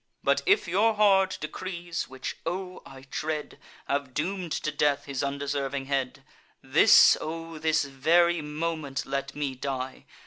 But if your hard decrees—which, O! I dread— Have doom'd to death his undeserving head; This, O this very moment, let me die!